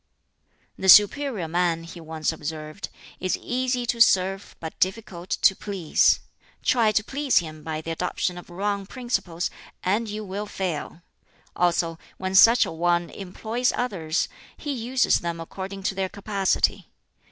"The superior man," he once observed, "is easy to serve, but difficult to please. Try to please him by the adoption of wrong principles, and you will fail. Also, when such a one employs others, he uses them according to their capacity.